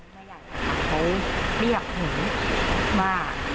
เขาเรียกหนูมาก